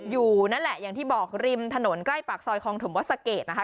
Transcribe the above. อยู่นั่นแหละอย่างที่บอกริมถนนใกล้ปากซอยคลองถมวัสเกตนะคะ